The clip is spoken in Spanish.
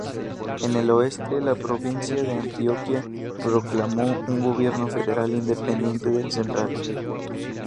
En el oeste, la provincia de Antioquia proclamó un gobierno federal independiente del central.